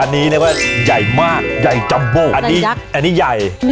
นี่เลยจ้า